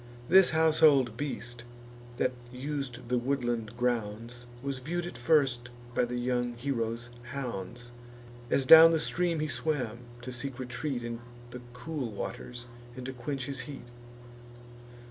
This household beast, that us'd the woodland grounds, Was view'd at first by the young hero's hounds, As down the stream he swam, to seek retreat In the cool waters, and to quench his heat.